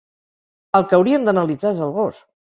Al que haurien d'analitzar és al gos!